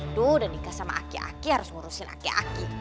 aduh udah nikah sama aki aki harus ngurusin aki aki